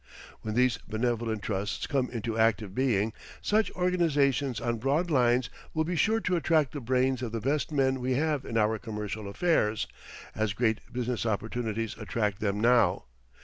When these Benevolent Trusts come into active being, such organizations on broad lines will be sure to attract the brains of the best men we have in our commercial affairs, as great business opportunities attract them now.